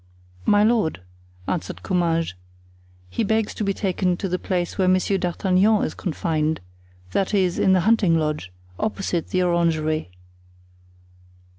"My lord," answered Comminges, "he begs to be taken to the place where Monsieur d'Artagnan is confined—that is, in the hunting lodge, opposite the orangery."